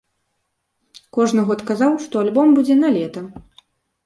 Кожны год казаў, што альбом будзе налета.